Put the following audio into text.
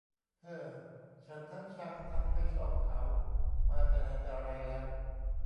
เฮ่อ ฉันทั้งชังทั้งไม่ชอบเขามาแต่ไหนแต่ไรแล้ว